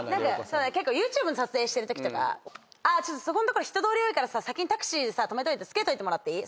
ＹｏｕＴｕｂｅの撮影してるときそこん所人通り多いからさ先にタクシーさ止めといて着けてもらっていい？